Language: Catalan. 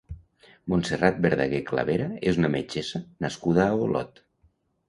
Montserrat Verdaguer Clavera és una metgessa nascuda a Olot.